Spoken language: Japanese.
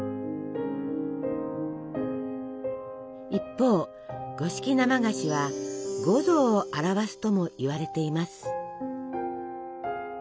一方五色生菓子は五臓を表すともいわれています。